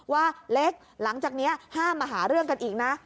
ว่าเล็กหลังจากนี้ห้ามมาหาเรื่องกันอีกนะ